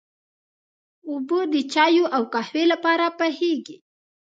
اوبه د چايو او قهوې لپاره پخېږي.